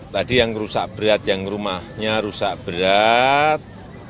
tadi yang rusak berat yang rumahnya rusak berat